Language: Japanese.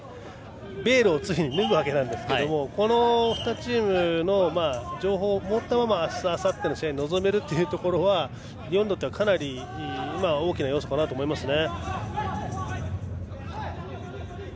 ベールをついに脱ぎますがこの２チームの情報を持ったままあした、あさっての試合に臨めるということは日本にとってはかなり大きな要素かなと思いますね。